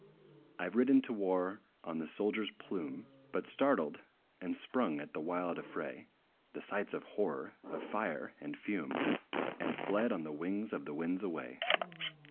I 've ridden to war on the soldier's plume; But startled, and sprung at the wild affray, The sights of horror, of fire and fume, And fled on the wing of the winds away.